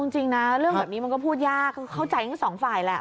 จริงนะเรื่องแบบนี้มันก็พูดยากก็เข้าใจทั้งสองฝ่ายแหละ